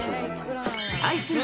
対する